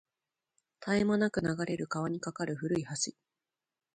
絶え間なく流れる川に架かる古い橋